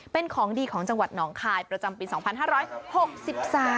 เป็นของดีของจังหวัดหนองคายประจำปี๒๕๖๓